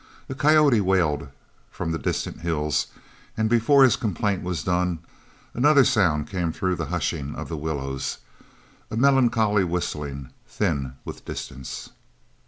A coyote wailed from the distant hills, and before his complaint was done another sound came through the hushing of the willows, a melancholy whistling, thin with distance.